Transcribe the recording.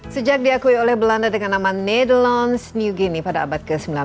sejak diakui oleh belanda dengan nama nadelans new guinea pada abad ke sembilan belas